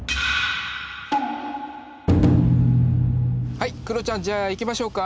はいクロちゃんじゃあいきましょうか。